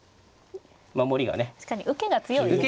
確かに受けが強いですね